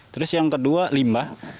terus yang kedua limbah